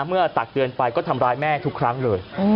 ตักเตือนไปก็ทำร้ายแม่ทุกครั้งเลย